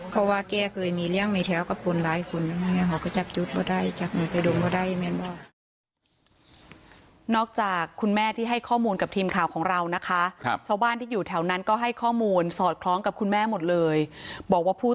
เพราะว่าแกเคยมีเรื่องไม่แถวกับคนหลายคนนะเมี่ยเขาก็จับยุทธ์ก็ได้จับหนูไปดุงก็ได้แม่นบอก